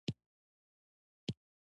آیا زموږ اولادونه به یې وویني؟